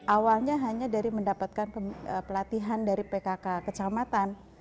awalnya hanya dari mendapatkan pelatihan dari pkk kecamatan